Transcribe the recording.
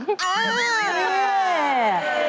อ้าวนี่